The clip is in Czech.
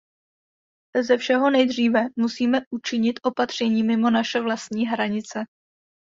Ze všeho nejdříve musíme učinit opatření mimo naše vlastní hranice.